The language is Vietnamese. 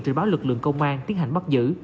trình báo lực lượng công an tiến hành bắt giữ